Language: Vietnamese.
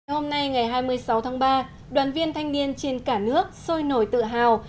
hôm nay ngày hai mươi sáu tháng ba đoàn viên thanh niên trên cả nước sôi nổi tự hào